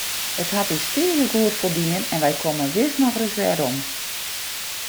It hat ús hjir tige goed foldien en wy komme wis noch ris werom.